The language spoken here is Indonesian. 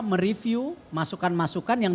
mereview masukan masukan yang